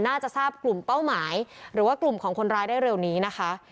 น่าจะทราบกลุ่มเป้าหมายหรือว่ากลุ่มของคนร้ายได้เร็วนี้นะคะ